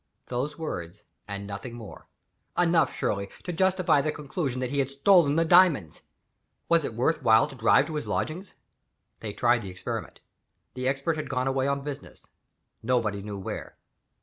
Those words and no more. Enough, surely, to justify the conclusion that he had stolen the diamonds. Was it worth while to drive to his lodgings? They tried the experiment. The Expert had gone away on business nobody knew where.